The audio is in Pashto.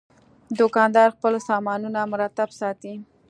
دوکاندار خپل سامانونه مرتب ساتي.